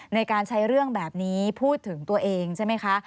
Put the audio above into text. ในการใช้เรื่องแบบนี้พูดถึงตัวเองใช่ไหมคะ